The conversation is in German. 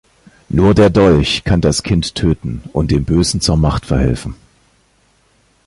Nur der Dolch kann das Kind töten und dem Bösen zur Macht verhelfen.